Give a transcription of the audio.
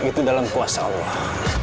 itu dalam kuasa allah